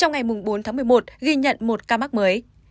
trong ngày bốn tháng một mươi một ghi nhận một ca mắc mới